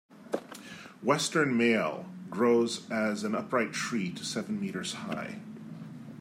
Western myall grows as an upright tree to seven metres high.